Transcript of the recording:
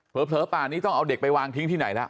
ป่านี้ต้องเอาเด็กไปวางทิ้งที่ไหนแล้ว